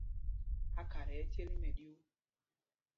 Ákhata ɛ́ ɛ́ cěl tí mɛɗyuu.